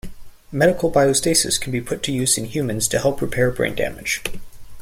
Medical biostasis can be put to use in humans to help repair brain damage.